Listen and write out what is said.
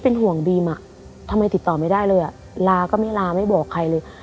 เป็นห่วงบีมอ่ะทำไมติดต่อไม่ได้เลยอ่ะลาก็ไม่ลาไม่บอกใครเลย